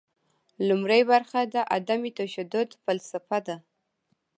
لومړۍ برخه د عدم تشدد فلسفه ده.